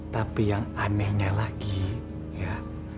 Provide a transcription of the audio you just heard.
tapi yang anehnya lagi ya